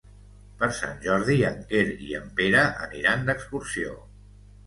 Per Sant Jordi en Quer i en Pere aniran d'excursió.